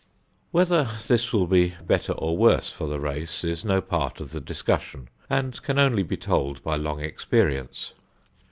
Whether this will be better or worse for the race is no part of the discussion, and can only be told by long experience.